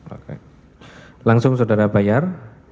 oke langsung saudara bayar